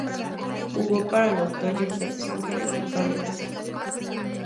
Jugó para los Dodgers de Los Angeles, y los Padres de San Diego.